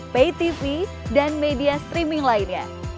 paytv dan media streaming lainnya